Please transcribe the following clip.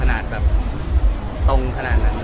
เราไม่ค่อยก้าวคุยตรงขนาดนั้นเลย